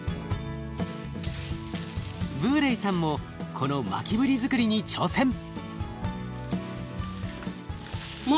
ブーレイさんもこの巻鰤づくりに挑戦！